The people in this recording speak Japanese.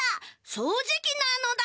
そうじきなのだ！